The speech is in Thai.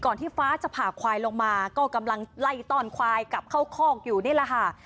ที่ฟ้าจะผ่าควายลงมาก็กำลังไล่ต้อนควายกลับเข้าคอกอยู่นี่แหละค่ะ